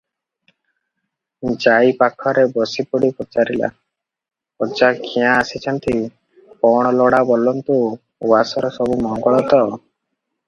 ଯାଇ ପାଖରେ ବସିପଡ଼ି ପଚାରିଲା, "ଅଜା କ୍ୟାଁ ଆସିଛନ୍ତି, କଣ ଲୋଡ଼ା ବୋଲନ୍ତୁ, ଉଆସରେ ସବୁ ମଙ୍ଗଳ ତ?"